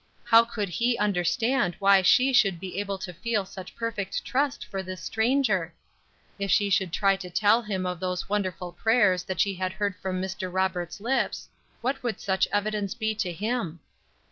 How could he understand why she should be able to feel such perfect trust in this stranger? If she should try to tell him of those wonderful prayers she had heard from Mr. Robert's lips, what would such evidence be to him?